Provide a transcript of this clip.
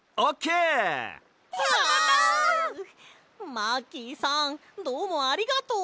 マーキーさんどうもありがとう！